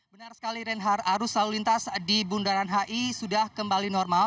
benar sekali reinhard arus lalu lintas di bundaran hi sudah kembali normal